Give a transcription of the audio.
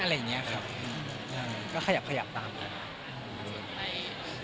รอบไปไปกับผู้สาเหว่อนั้น